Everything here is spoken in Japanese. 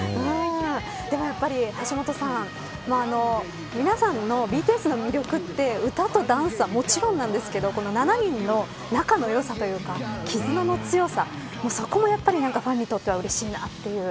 でも、やっぱり橋下さん皆さんのＢＴＳの魅力って歌とダンスはもちろんなんですけど７人の仲の良さというか絆の強さそこも、やっぱりファンにとっては、うれしいなという。